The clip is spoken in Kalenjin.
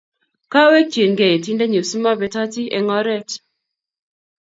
Kawekchinke yetindennyu si mabetoti eng' oret.